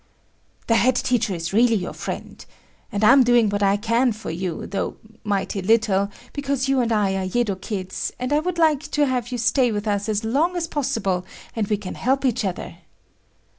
"The head teacher is really your friend. And I'm doing what I can for you, though mighty little, because you and I are Yedo kids, and I would like to have you stay with us as long as possible and we can help each other."